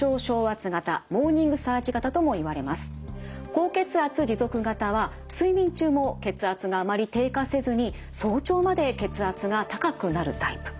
高血圧持続型は睡眠中も血圧があまり低下せずに早朝まで血圧が高くなるタイプ。